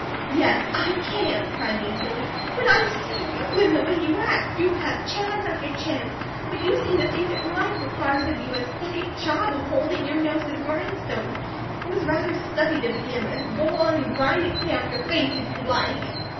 "Yes, I can," cried Nancy Ellen, "when I see you, and the way you act! You have chance after chance, but you seem to think that life requires of you a steady job of holding your nose to the grindstone. It was rather stubby to begin with, go on and grind it clear off your face, if you like."